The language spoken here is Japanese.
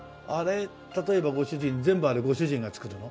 例えばご主人全部あれご主人が作るの？